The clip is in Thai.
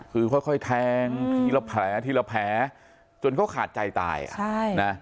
คือค่อยแทงทีละแผลทีละแผลจนเขาขาดใจตายอ่ะใช่นะ